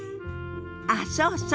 あっそうそう。